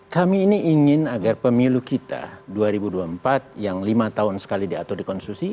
kami ini ingin agar pemilu kita dua ribu dua puluh empat yang lima tahun sekali diatur di konstitusi